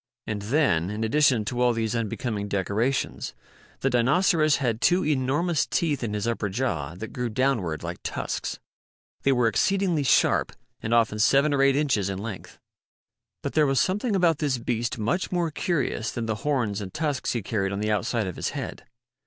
And then, in addition to all these unbecoming decorations, the Dinoceras had two enormous teeth in his upper jaw that grew downward like tusks. They were exceedingly sharp and often seven or eight inches in length. But there was something about this beast much more curious than the horns and tusks he carried 89 90 MIGHTY ANIMALS on the outside of his head.